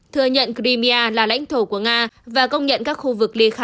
thừa nhận crimea là lãnh thổ của nga và công nhận các khu vực lê khai